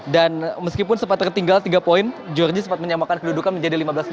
dan meskipun sempat tertinggal tiga poin georgia sempat menyamakan kedudukan menjadi lima belas lima belas